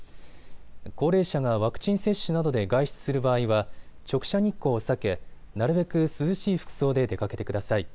高齢者がワクチン接種などで外出する場合は直射日光を避け、なるべく涼しい服装で出かけてください。